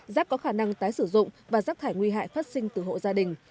rác có khả năng tái sử dụng và rác thải nguy hại phát sinh từ hộ gia đình